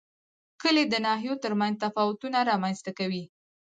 کلي د ناحیو ترمنځ تفاوتونه رامنځ ته کوي.